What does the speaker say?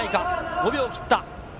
５秒を切った。